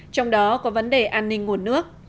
trong đó có vấn đề an ninh nguồn nước